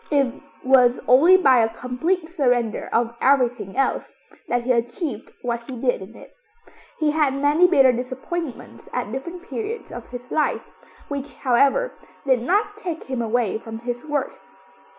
It was only by a complete surrender of everything else that he achieved what he did in it. He had many bitter disappointments at different periods of his life, which, however, did not take him away from his work.